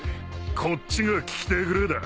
こっちが聞きてぇぐれぇだ。